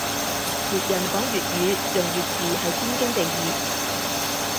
粵人講粵語用粵字係天經地義